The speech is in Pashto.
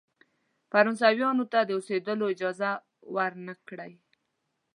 فرانسویانو ته د اوسېدلو اجازه ورنه کړی.